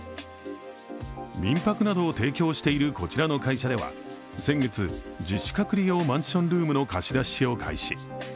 民泊などを提供しているこちらの会社では、先月、自主隔離用マンションルームの貸し出しを開始。